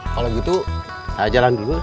kalau gitu saya jalan dulu